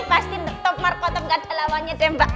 pasti top markotop gak ada lawanya deh mbak